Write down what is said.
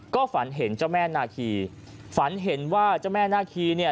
ก็ฝันเห็นเจ้าแม่นาคีฝันเห็นว่าเจ้าแม่นาคีเนี่ย